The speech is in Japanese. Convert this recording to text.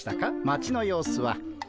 町の様子は。